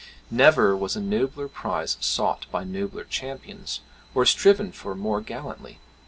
Never was a nobler prize sought by nobler champions, or striven for more gallantly.